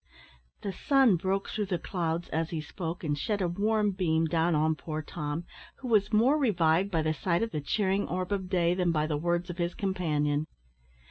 The sun broke through the clouds as he spoke and shed a warm beam down on poor Tom, who was more revived by the sight of the cheering orb of day than by the words of his companion.